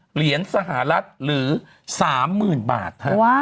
เหรียญสหรัฐหรือ๓๐๐๐บาท